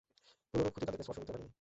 কোনরূপ ক্ষতি তাদেরকে স্পর্শ করতে পারেনি।